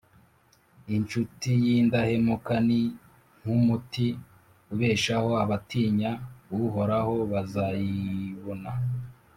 Incuti y’indahemuka ni nk’umuti ubeshaho, abatinya Uhoraho bazayibona